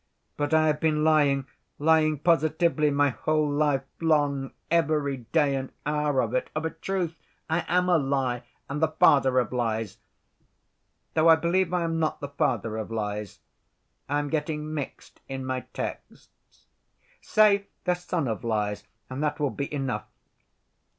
But I have been lying, lying positively my whole life long, every day and hour of it. Of a truth, I am a lie, and the father of lies. Though I believe I am not the father of lies. I am getting mixed in my texts. Say, the son of lies, and that will be enough.